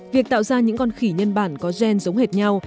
việc tạo ra những con khỉ nhân bản có gen giống hệt nhau